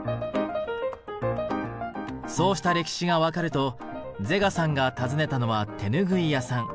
そうした歴史が分かるとゼガさんが訪ねたのは手拭い屋さん。